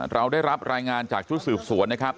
เราได้รับรายงานจากชุดสืบสวนนะครับ